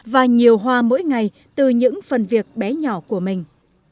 và nhiều hoa mỗi ngày từ những phần việc bé nhỏ của mình